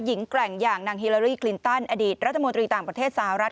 แกร่งอย่างนางฮิลารี่คลินตันอดีตรัฐมนตรีต่างประเทศสหรัฐ